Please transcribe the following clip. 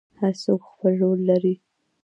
هر څوک خپل رول لري